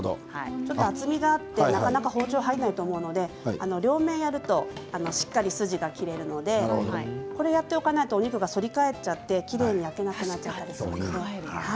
厚みがあってなかなか包丁が入らないと思うので両面にあるとしっかり筋が切れるのでこれをやっておかないとお肉が反り返っちゃってきれいに焼けなくなってしまいます。